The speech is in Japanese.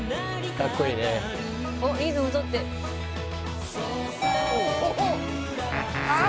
かっこいいねおっリズムとっておおああ！